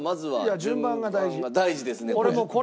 順番が大事ですねこれ。